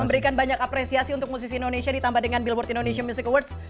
memberikan banyak apresiasi untuk musisi indonesia ditambah dengan billboard indonesia music awards